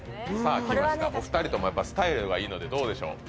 お二人ともスタイルがいいのでどうでしょう？